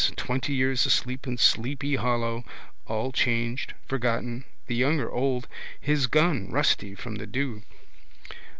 Twenty years asleep in Sleepy Hollow. All changed. Forgotten. The young are old. His gun rusty from the dew.